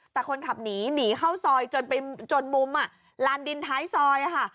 แต่คนขับหนีหนีเข้าซอยจนไปจนมุมลานดินท้ายซอยค่ะ